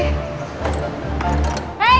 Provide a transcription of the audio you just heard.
ajar banget sih